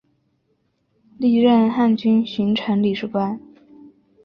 历任汉军巡城理事官。